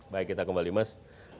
baik kita kembali mas